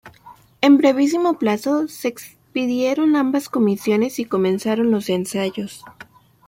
En brevísimo plazo se expidieron ambas comisiones y comenzaron los ensayos.